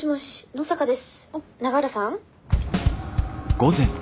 永浦さん？